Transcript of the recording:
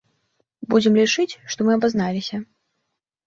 Будзем лічыць, што мы абазналіся.